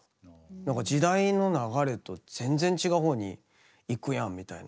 なんか時代の流れと全然違う方に行くやんみたいな。